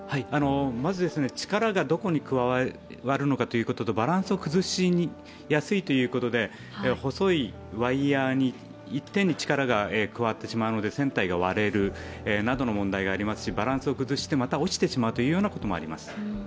まず力がどこに加わるのかということとバランスを崩しやすいということで細いワイヤーに１点に力が加わってしまうので船体が割れるなどの問題がありますし、バランスを崩してまた落ちてしまうというようなこともあります。